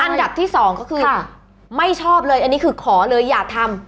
อันดับที่สองก็คือไม่ชอบเลยอันนี้คือขอเลยอย่าทำ